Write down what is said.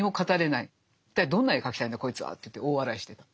一体どんな絵を描きたいんだこいつはといって大笑いしてた。